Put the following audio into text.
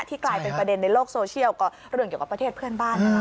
กลายเป็นประเด็นในโลกโซเชียลก็เรื่องเกี่ยวกับประเทศเพื่อนบ้านนะคะ